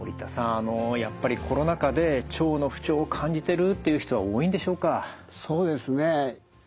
あのやっぱりコロナ禍で腸の不調を感じてるっていう人は多いんでしょうか？